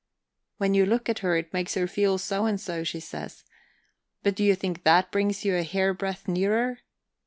"When you look at her, it makes her feel so and so, she says. But do you think that brings you a hairbreadth nearer?